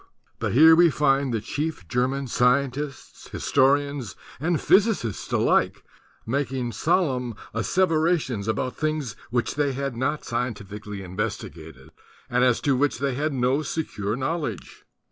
But here we find the chief German scientists, historians and physicists alike, making solemn asseverations about things which they had not scientifically investigated and as to which they had no secure knowledge.